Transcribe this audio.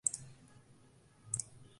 Rothschild "et al.